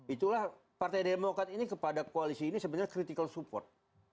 itulah partai demokrat ini kepada koalisi ini sebenarnya critical support